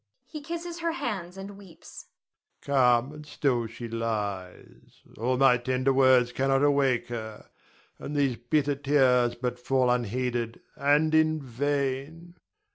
[He kisses her hands and weeps.] Calm and still she lies, all my tender words cannot awake her, and these bitter tears but fall unheeded and in vain.